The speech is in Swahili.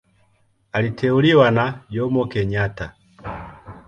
Aliteuliwa na Jomo Kenyatta.